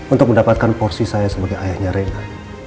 untuk mendapatkan porsi saya sebagai ayahnya reinhard